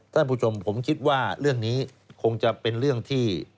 ท่านผู้ชมผมคิดว่าเรื่องนี้คงจะเป็นเรื่องที่